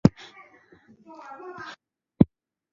上托尔内奥市是瑞典北部北博滕省的一个自治市。